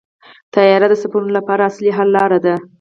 طیاره د سفرونو لپاره عصري حل لاره ده.